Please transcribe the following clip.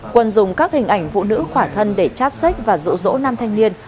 quân dùng các hình ảnh vụ nữ khỏa thân để chát sách và rụ rỗ nam thanh niên